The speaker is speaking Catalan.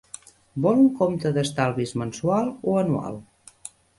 Vol un compte d'estalvis mensual o anual?